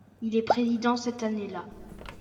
Il est président cette année-là.